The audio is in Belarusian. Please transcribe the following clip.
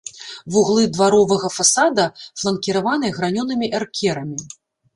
Вуглы дваровага фасада фланкіраваныя гранёнымі эркерамі.